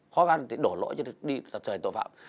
khó gắng để đổ lỗi cho tội phạm